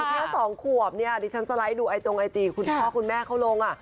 เท่าสองขวบดิฉันสไลด์ดูไอจงงค์ไอจีคุณพ่อคุณแม่เขาลง